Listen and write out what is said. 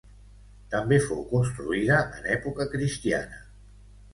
També fou construïda en època cristiana.